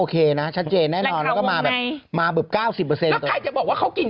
ใครจะรับกิน